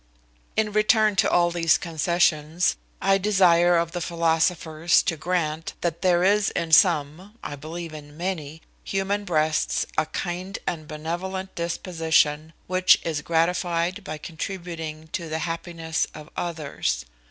In return to all these concessions, I desire of the philosophers to grant, that there is in some (I believe in many) human breasts a kind and benevolent disposition, which is gratified by contributing to the happiness of others.